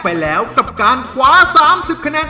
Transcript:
ไปแล้วกับการคว้า๓๐คะแนน